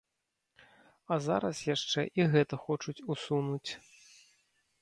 А зараз яшчэ і гэта хочуць усунуць.